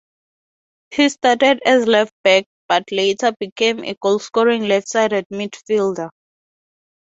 He started as a left-back but later became a goal-scoring left-sided midfielder.